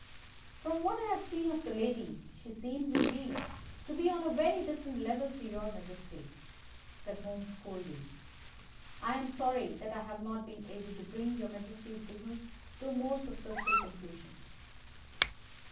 "From what I have seen of the lady she seems indeed to be on a very different level to your Majesty," said Holmes, coldly. "I am sorry that I have not been able to bring your Majesty's business to a more successful conclusion."